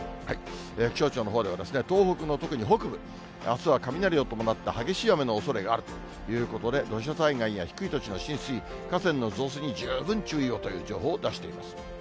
気象庁のほうでは、東北の特に北部、あすは雷を伴った激しい雨のおそれがあるということで、土砂災害や低い土地の浸水、河川の増水に十分注意をという情報を出しています。